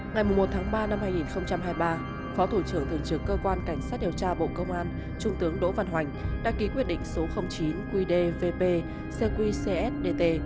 ngày một tháng ba năm hai nghìn hai mươi ba phó thủ trưởng thượng trưởng cơ quan cảnh sát điều tra bộ công an trung tướng đỗ văn hoành đã ký quyết định số chín qdvp cqcs dt